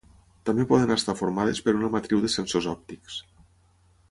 També poden estar formades per una matriu de sensors òptics.